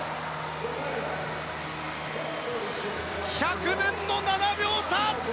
１００分の７秒差。